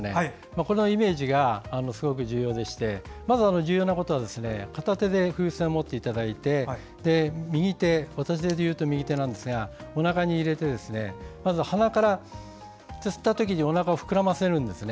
このイメージがすごく重要でしてまずは重要なことは片手で風船を持っていただいて右手をおなかに入れて鼻から吸ったときにおなかを膨らませるんですね。